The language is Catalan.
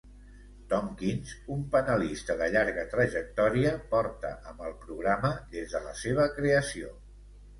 Tompkins, un panelista de llarga trajectòria, porta amb el programa des de la seva creació.